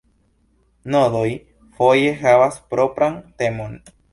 Nodoj foje havas propran temon.